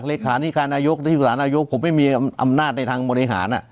รายคาธิการนายกรายคาธิการนายกผมไม่มีอำนาจในทางบริหารอ่ะ